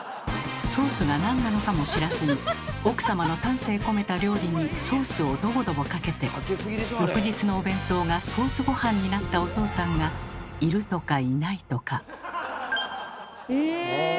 ソースが何なのかも知らずに奥様の丹精込めた料理にソースをドボドボかけて翌日のお弁当がソースごはんになったおとうさんがいるとかいないとか。